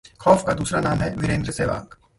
खौफ का दूसरा नाम है वीरेंद्र सहवाग